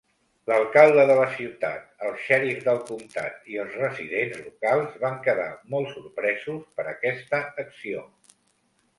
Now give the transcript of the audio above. L'alcalde de la ciutat, el xèrif del comtat i els residents locals van quedar molt sorpresos per aquesta acció.